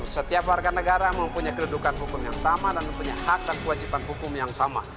setiap warga negara mempunyai kedudukan hukum yang sama dan mempunyai hak dan kewajiban hukum yang sama